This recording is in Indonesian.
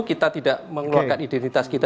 kita tidak mengeluarkan identitas kita